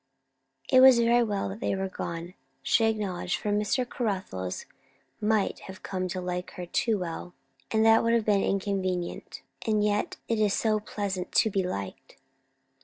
It was very well they were gone, she acknowledged; for Mr. Caruthers might have come to like her too well, and that would have been inconvenient; and yet it is so pleasant to be liked!